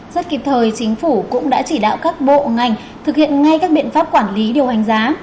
rất kịp thời chính phủ cũng đã chỉ đạo các bộ ngành thực hiện ngay các biện pháp quản lý điều hành giá